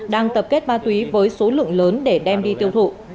đang tập kết ma túy với số lượng lớn để đem đi tiêu thụ